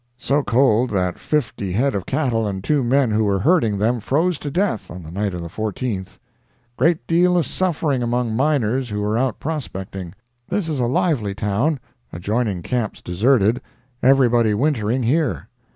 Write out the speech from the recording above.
So cold that 50 head of cattle and 2 men who were herding them froze to death on the night of the 14th. Great deal of suffering among miners who were out prospecting. This is a lively town; adjoining camps deserted; everybody wintering here...